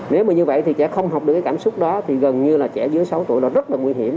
nếu mà như vậy thì trẻ không học được cái cảm xúc đó thì gần như là trẻ dưới sáu tuổi nó rất là nguy hiểm